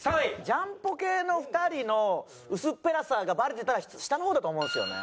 ジャンポケの２人の薄っぺらさがバレてたら下の方だと思うんですよね。